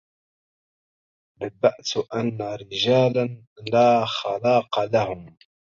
نبئت أن رجالا لا خلاق لهم